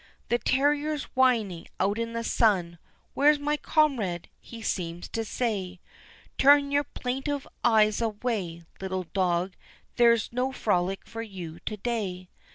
The terrier's whining out in the sun "Where's my comrade?" he seems to say, Turn your plaintive eyes away, little dog, There's no frolic for you to day.